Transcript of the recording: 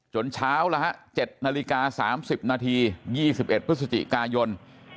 เช้าละฮะ๗นาฬิกา๓๐นาที๒๑พฤศจิกายน